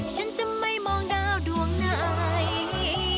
ฉันจะไม่มองดาวดวงไหน